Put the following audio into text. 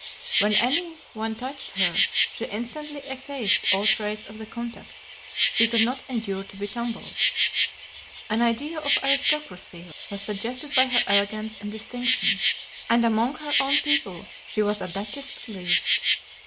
When any one touched her, she instantly effaced all trace of the contact; she could not endure to be tumbled. An idea of aristocracy was suggested by her elegance and distinction, and among her own people she was a duchess at least.